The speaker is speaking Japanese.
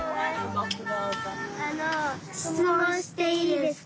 あのしつもんしていいですか？